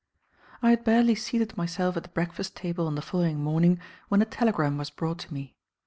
I had barely seated myself at the breakfast table on the following morning when a telegram was brought to me.